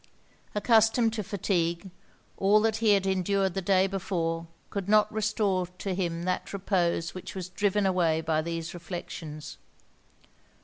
Accustomed to fatigue, all that he had endured the day before could not restore to him that repose which was driven away by these reflections.